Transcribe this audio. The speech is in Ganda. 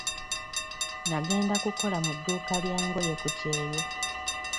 Nagenda kukola mu dduuka lya ngoye ku kyeyo.